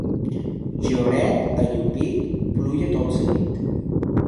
Lluert ajupit, pluja tot seguit.